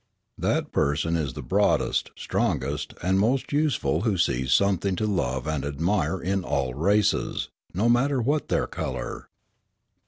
That person is the broadest, strongest, and most useful who sees something to love and admire in all races, no matter what their colour.